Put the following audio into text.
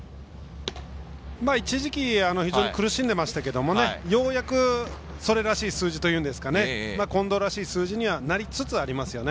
一時期、非常に苦しんでいましたけれどようやくそれらしい数字というんですかね近藤らしい数字にはなりつつありますよね。